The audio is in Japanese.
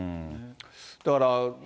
だから。